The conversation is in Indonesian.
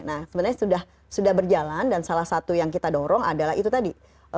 nah sebenarnya sudah berjalan dan salah satu yang kita dorong adalah itu tadi